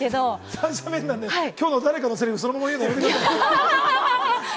三者面談できょうの誰かのセリフ、そのまま言うのやめてくださいね。